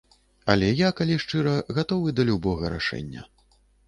Але я, калі шчыра, гатовы да любога рашэння.